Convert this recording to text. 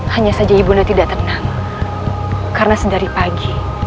hanya saja ibunda tidak tenang karena sedari pagi